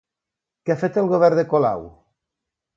Què ha fet el govern de Colau?